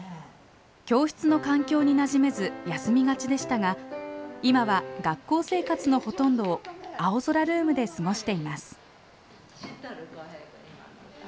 教室の環境になじめず休みがちでしたが今は学校生活のほとんどをあおぞらルームで過ごしています。